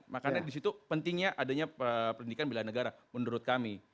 makanya di situ pentingnya adanya pendidikan bela negara menurut kami